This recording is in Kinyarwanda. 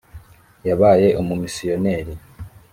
yabaye umumisiyoneri .